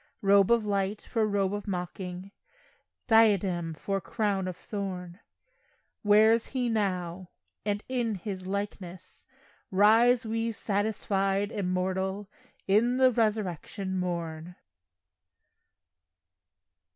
Robe of light for robe of mocking, Diadem for crown of thorn, Wears He now, and in His likeness Rise we, satisfied, immortal, In the resurrection morn.